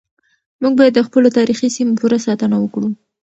موږ بايد د خپلو تاريخي سيمو پوره ساتنه وکړو.